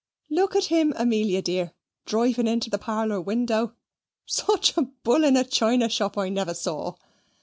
"Look at him, Amelia dear, driving into the parlour window. Such a bull in a china shop I never saw."